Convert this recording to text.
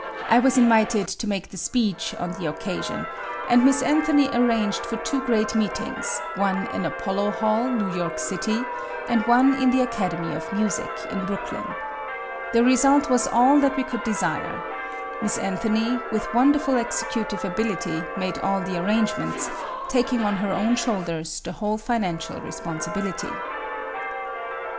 I was invited to make the speech on the occasion, and Miss Anthony arranged for two great meetings, one in Apollo Hall, New York city, and one in the Academy of Music, in Brooklyn. The result was all that we could desire. Miss Anthony, with wonderful executive ability, made all the arrangements, taking on her own shoulders the whole financial responsibility.